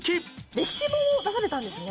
歴史本を出されたんですね。